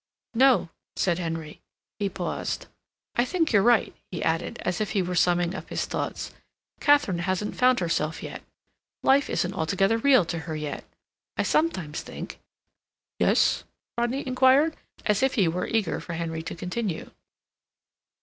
"No," said Henry. He paused. "I think you're right," he added, as if he were summing up his thoughts. "Katharine hasn't found herself yet. Life isn't altogether real to her yet—I sometimes think—" "Yes?" Rodney inquired, as if he were eager for Henry to continue.